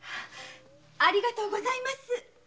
ありがとうございます‼